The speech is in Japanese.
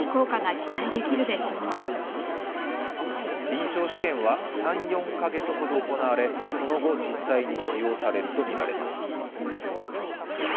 臨床試験は３４カ月ほど行われその後、実際に使用されるとみられます。